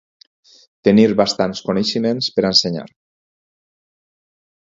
Tenir bastants coneixements per a ensenyar.